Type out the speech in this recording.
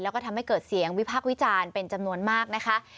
แล้วก็ทำให้เกิดเสียงวิพากษ์วิจารณ์เป็นจำนวนมากนะคะ